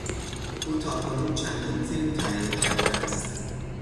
او تاکنون چندین فیلم تهیه کرده است.